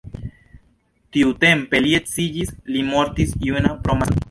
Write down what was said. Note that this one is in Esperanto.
Tiutempe li edziĝis, li mortis juna pro malsano.